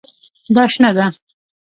دا شنه ده